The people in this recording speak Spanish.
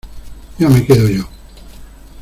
ya me quedo yo.